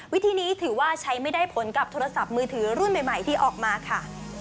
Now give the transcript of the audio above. วิธีนี้ถือว่าใช้ไม่ได้ผลกับโทรศัพท์มือถือรุ่นใหม่ที่ออกมาค่ะ